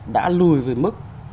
đã lùi về mức